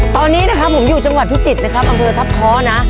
ตอนนี้นะครับผมอยู่จังหวัดพิจิตรนะครับอำเภอทัพเพาะนะ